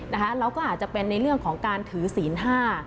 เราก็อาจจะเป็นในเรื่องของการถือศีลห้า